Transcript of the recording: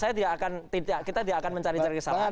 saya tidak akan kita tidak akan mencari cari kesalahan